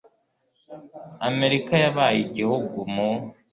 Amerika yabaye igihugu mu .